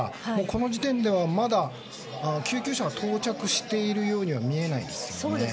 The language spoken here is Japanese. この時点では、まだ救急車は到着しているようには見えないですね。